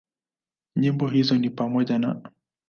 Nyimbo hizo ni pamoja na;